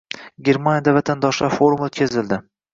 Germaniyada vatandoshlar forumi oʻtkazildi